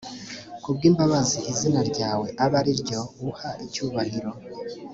ku bw’imbabazi izina ryawe abe ari ryo uha icyubahiro